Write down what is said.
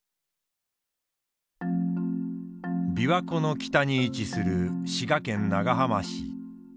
琵琶湖の北に位置する滋賀県長浜市。